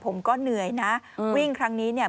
ผมก็เหนื่อยนะวิ่งครั้งนี้เนี่ย